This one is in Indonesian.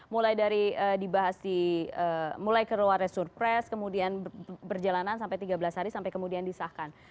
mulai dari dibahas di mulai keluarnya surpres kemudian berjalanan sampai tiga belas hari sampai kemudian disahkan